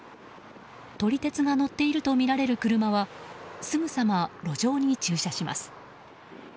撮り鉄が乗っているとみられる車はすぐさま路上に駐車します。